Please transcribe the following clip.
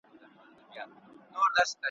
د بشر په نوم ياديږي ,